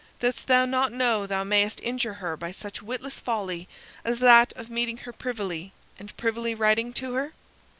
Dost thou not know thou mayst injure her by such witless folly as that of meeting her privily, and privily writing to her?"